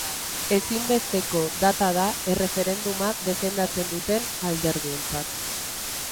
Ezinbesteko data da erreferenduma defendatzen duten alderdientzat.